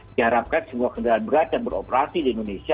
diharapkan semua kendaraan berat yang beroperasi di indonesia